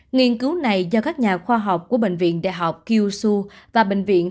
nghiên cứu này do các nhà khoa học của bệnh viện đại học kyushu và bệnh viện